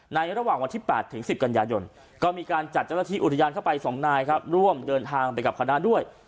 ระหว่างวันที่๘ถึง๑๐กันยายนก็มีการจัดเจ้าหน้าที่อุทยานเข้าไป๒นายครับร่วมเดินทางไปกับคณะด้วย